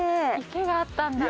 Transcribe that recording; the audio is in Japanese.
池があったんだ。